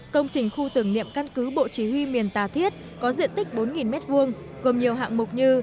công trình khu tưởng niệm căn cứ bộ chỉ huy miền tà thiết có diện tích bốn m hai gồm nhiều hạng mục như